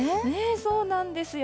そうなんですよ。